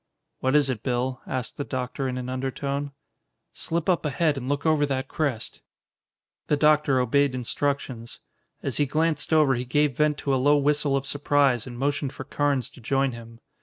"What is it, Bill?" asked the doctor in an undertone. "Slip up ahead and look over that crest." The doctor obeyed instructions. As he glanced over he gave vent to a low whistle of surprise and motioned for Carnes to join him.